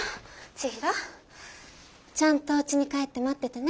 ちひろちゃんとおうちに帰って待っててね。